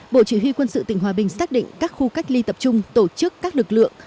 bộ chỉ huy quân sự tỉnh hòa bình xác định các khu cách ly tập trung tổ chức các lực lượng